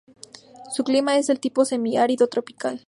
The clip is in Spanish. Su clima es del tipo semi-árido tropical.